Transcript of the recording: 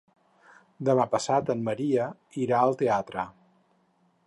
Demà passat en Maria irà al teatre.